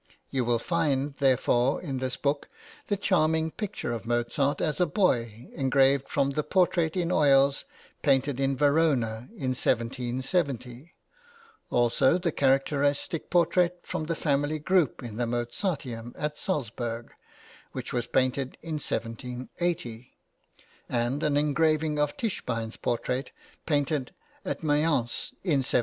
You will find, therefore, in this book, the charming picture of Mozart as a boy, engraved from the portrait in oils, painted in Verona in 1770; also the characteristic portrait from the family group in the Mo zarteum at Salzburg, which was painted in 1780, and an engraving of Tischbein's portrait, painted at Mayence in 1790.